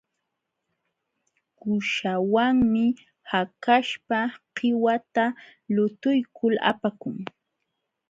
Kuuśhawanmi hakaśhpa qiwata lutuykul apakun.